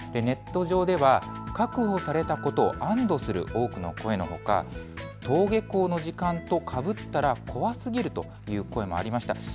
ネット上では確保されたことを安どする多くの声のほか登下校の時間とかぶったら怖すぎるという声もありました。